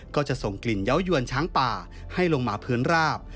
ก็จะส่งกลิ่นเยาวยวนช้างป่าให้ลงมาพื้นราบ